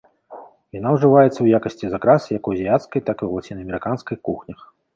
Яна ўжываецца ў якасці закрасы як у азіяцкай, так і ў лацінаамерыканскай кухнях.